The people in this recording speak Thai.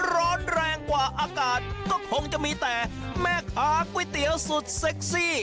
ร้อนแรงกว่าอากาศก็คงจะมีแต่แม่ค้าก๋วยเตี๋ยวสุดเซ็กซี่